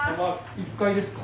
１階ですか？